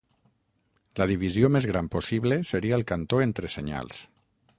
La divisió més gran possible seria el cantó entre senyals.